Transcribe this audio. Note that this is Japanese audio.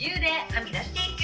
はみ出していく。